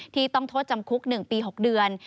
ต้องโทษจำคุก๑ปี๖เดือน